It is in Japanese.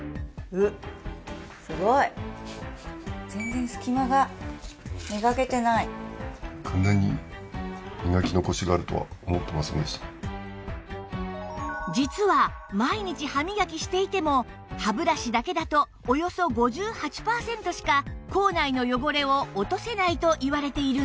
全然実は毎日歯磨きしていても歯ブラシだけだとおよそ５８パーセントしか口内の汚れを落とせないといわれているんです